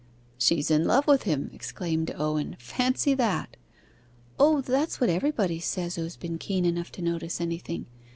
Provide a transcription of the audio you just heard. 'She is in love with him!' exclaimed Owen; 'fancy that!' 'Ah that's what everybody says who has been keen enough to notice anything.